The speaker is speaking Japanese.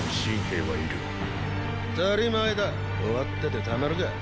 ったり前だ終わっててたまるか。